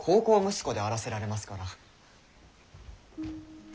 息子であらせられますから。